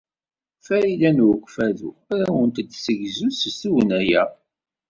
Farida n Ukeffadu ad awent-d-tessegzu s tugna-a.